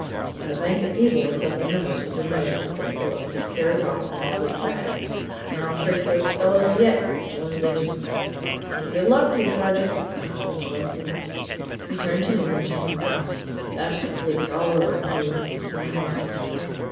And the bank at Peebles has the numbers of the notes that Phillips carried off in his little bag and I'll trace those fellows yet, Mr. Lindsey." "Good luck to you, sergeant!" answered Mr. Lindsey. He turned to me when Chisholm had gone. "That's the police all over, Hugh," he remarked.